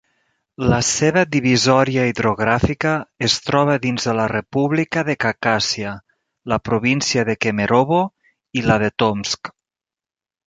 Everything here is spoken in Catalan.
La seva divisòria hidrogràfica es troba dins de la República de Khakassia, la província de Kemerovo i la de Tomsk.